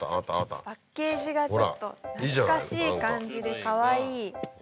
パッケージがちょっと懐かしい感じでかわいい。